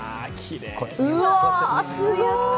うわー、すごい！